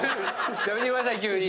やめてください急に。